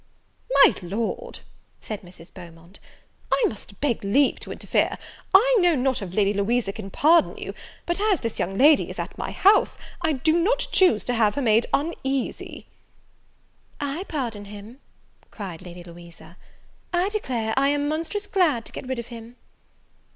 "My Lord," said Mrs. Beaumont, "I must beg leave to interfere: I know not if Lady Louisa can pardon you; but as this young lady is at my house, I do not choose to have her made uneasy." "I pardon him!" cried Lady Louisa; "I declare I am monstrous glad to get rid of him."